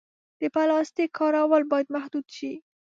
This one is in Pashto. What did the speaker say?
د پلاسټیک کارول باید محدود شي.